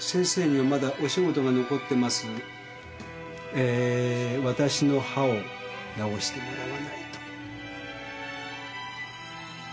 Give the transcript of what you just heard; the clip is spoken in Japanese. えーわたしの歯を治してもらわないと。